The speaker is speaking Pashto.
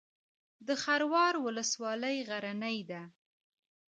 د خروار ولسوالۍ غرنۍ ده